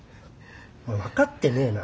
お前分かってねえな。